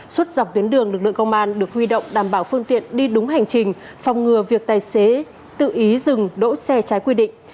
suốt dọc tuyến đường lực lượng công an được huy động đảm bảo phương tiện đi đúng hành trình phòng ngừa việc tài xế tự ý dừng đỗ xe trái quy định